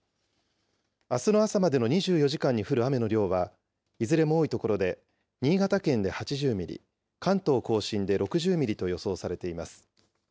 あすの朝までの２４時間に降る雨の量は、いずれも多い所で新潟県で８０ミリ、関東甲信で６０ミリと予想されています。